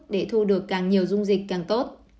để thu được càng nhiều dung dịch càng tốt